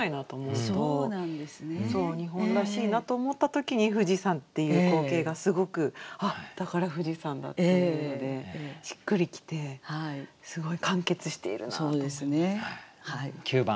日本らしいなと思った時に富士山っていう光景がすごく「あっだから富士山だ」っていうのでしっくり来てすごい完結しているなと思います。